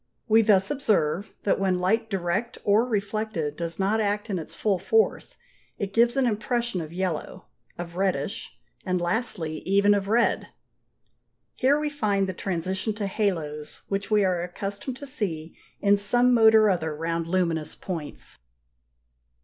We thus observe that when light direct or reflected does not act in its full force, it gives an impression of yellow, of reddish, and lastly even of red. Here we find the transition to halos which we are accustomed to see in some mode or other round luminous points.